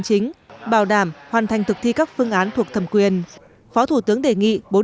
chính bảo đảm hoàn thành thực thi các phương án thuộc thẩm quyền phó thủ tướng đề nghị bốn